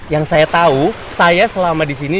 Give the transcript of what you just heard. yang saya tahu saya selama disini